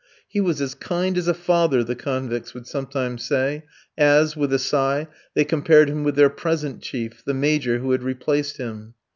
"He was as kind as a father," the convicts would sometimes say, as, with a sigh, they compared him with their present chief, the Major who had replaced him.